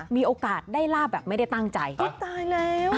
มีโอกาสได้ลาบแบบไม่ได้ตั้งใจตายแล้ว